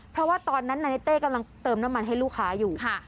เพราะว่าตอนนั้นนายเต้กำลังเติมน้ำมันให้ลูกค้าอยู่